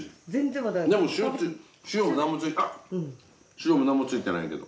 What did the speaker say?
塩も何もついてないけど。